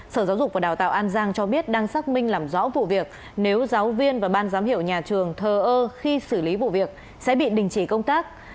sở giáo dục và đào tạo an giang cho biết đang xác minh làm rõ vụ việc nếu giáo viên và ban giám hiệu nhà trường thờ ơ khi xử lý vụ việc sẽ bị đình chỉ công tác